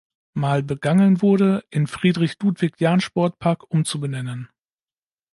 Mal begangen wurde, in "Friedrich-Ludwig-Jahn-Sportpark" umzubenennen.